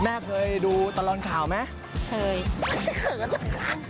แม่เคยดูตะลอนข่าวว่ารสนใจ